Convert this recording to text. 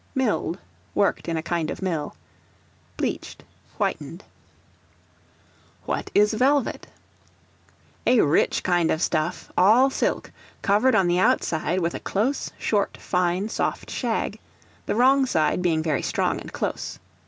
Milled, worked in a kind of mill. Bleached, whitened. What is Velvet? A rich kind of stuff, all silk, covered on the outside with a close, short, fine, soft shag; the wrong side being very strong and close.